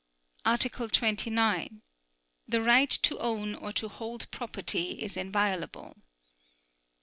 Article 29. The right to own or to hold property is inviolable.